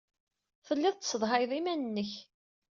Tellid tessedhayed iman-nnek.